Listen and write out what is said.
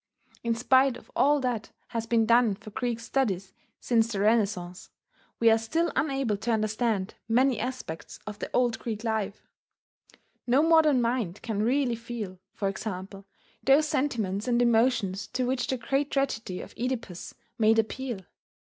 In spite of all that has been done for Greek studies since the Renaissance, we are still unable to understand many aspects of the old Greek life: no modern mind can really feel, for example, those sentiments and emotions to which the great tragedy of Oedipus made appeal.